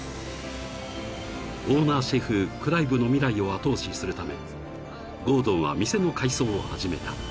［オーナーシェフクライブの未来を後押しするためゴードンは店の改装を始めた］